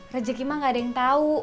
rezeki mah gak ada yang tau